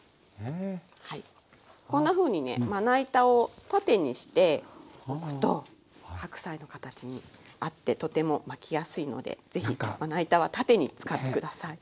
こんなふうにねまな板を縦にして置くと白菜の形に合ってとても巻きやすいので是非まな板は縦に使って下さい。